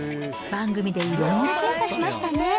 番組でいろんな検査、しましたね。